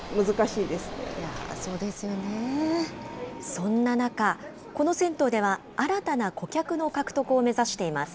そんな中、この銭湯では新たな顧客の獲得を目指しています。